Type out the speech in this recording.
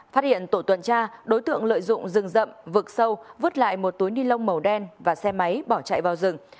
phát hiện tổ tuần tra đối tượng lợi dụng rừng rậm vực sâu vứt lại một túi ni lông màu đen và xe máy bỏ chạy vào rừng